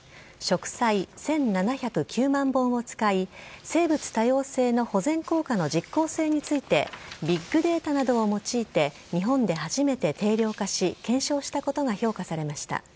植栽１７０９万本を使い、生物多様性の保全効果の実効性について、ビッグデータなどを用いて日本で初めて定量化し、検証したことが評価されました。